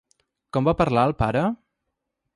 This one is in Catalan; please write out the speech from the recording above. Com va parlar el pare?